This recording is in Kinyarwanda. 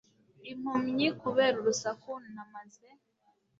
Impumyi kubera urusaku na maze